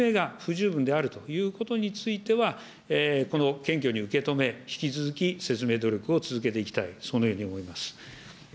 合わせて説明が不十分であるということについては、この謙虚に受け止め、引き続き説明努力を続けていきたい、そのように思います。